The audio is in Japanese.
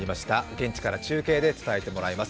現地から中継で伝えてもらいます。